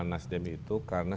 nasdem itu karena